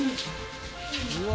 うわ。